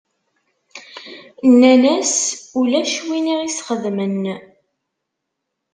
Nnan-as: Ulac win i ɣ-isxedmen.